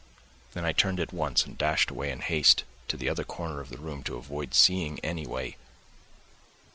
Then I turned at once and dashed away in haste to the other corner of the room to avoid seeing, anyway....